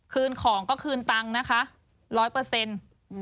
คืนของก็คืนตังค์นะคะร้อยเปอร์เซ็นต์